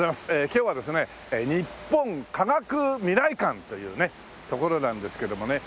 今日はですね日本科学未来館という所なんですけどもね。